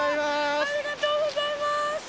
ありがとうございます！